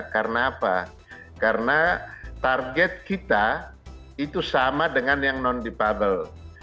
karena apa karena target kita itu sama dengan yang non dipabel